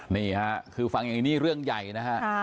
นี่ค่ะคือฟังอย่างนี้นี่เรื่องใหญ่นะฮะ